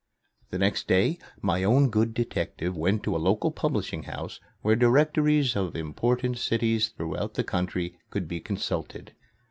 The next day, my own good detective went to a local publishing house where directories of important cities throughout the country could be consulted.